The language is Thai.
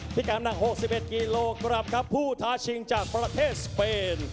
พี่กำลัง๖๑กิโลกรัมครับผู้ทาชิงจากประเทศสเปน